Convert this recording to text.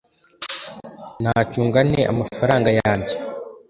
nacunga nte amafaranga yanjye‽